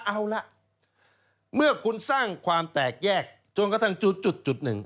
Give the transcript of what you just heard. เอาละเมื่อคุณสร้างความแตกแยกจนกระทั่งจุดหนึ่ง